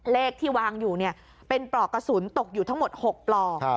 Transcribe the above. เลขที่วางอยู่เป็นปลอกกระสุนตกอยู่ทั้งหมด๖ปลอก